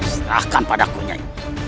serahkan padaku nyai